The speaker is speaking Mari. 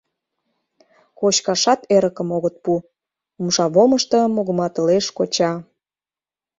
— Кочкашат эрыкым огыт пу... — умшавомышто мугыматылеш коча.